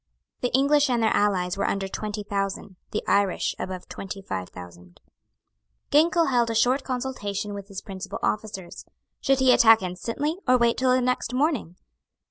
The English and their allies were under twenty thousand; the Irish above twenty five thousand. Ginkell held a short consultation with his principal officers. Should he attack instantly, or wait till the next morning?